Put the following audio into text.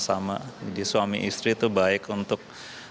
jadi suami istri itu baik untuk